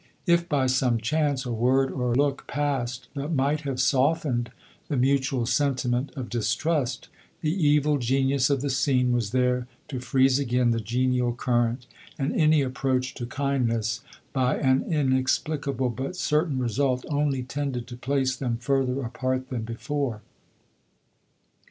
If by some chance a word or look passed that might have softened the mutual sentiment of distrust, the evil genius of the scene was there to freeze again the genial current ; and any approach to kind ness, by an inexplicable but certain result, only tended to place them further apart than before.